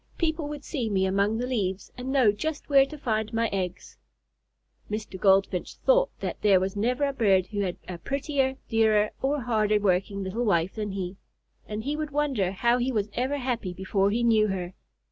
People would see me among the leaves and know just where to find my eggs." Mr. Goldfinch thought that there was never a bird who had a prettier, dearer, or harder working little wife than he, and he would wonder how he was ever happy before he knew her.